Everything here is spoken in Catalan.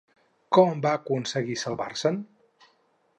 Com va aconseguir salvar-se'n?